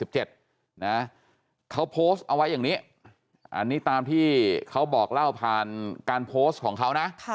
เขาโพสต์เอาไว้อย่างนี้อันนี้ตามที่เขาบอกเล่าผ่านการโพสต์ของเขานะ